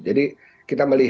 jadi kita melihat